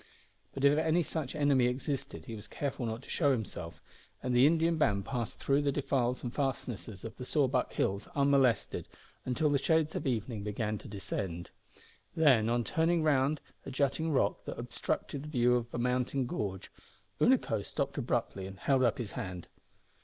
But if any such enemy existed he was careful not to show himself, and the Indian band passed through the defiles and fastnesses of the Sawback Hills unmolested until the shades of evening began to descend. Then, on turning round a jutting rock that obstructed the view up a mountain gorge, Unaco stopped abruptly and held up his hand.